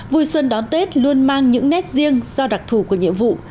vùi xuân đón tết luôn mang những nét riêng do đặc thủ của nhiệm vụ